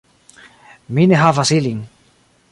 Mi ne havas ilin.